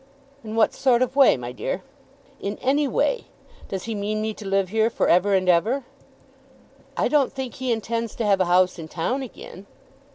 "In what sort of way, my dear?" "In any way. Does he mean me to live here for ever and ever?" "I don't think he intends to have a house in town again."